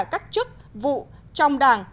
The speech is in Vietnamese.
các chức vụ trong đảng